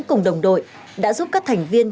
cùng đồng đội đã giúp các thành viên